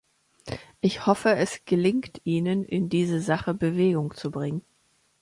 Ich hoffe, es gelingt Ihnen, in diese Sache Bewegung zu bringen.